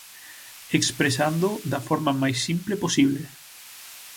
Expresándoo da forma máis simple posible.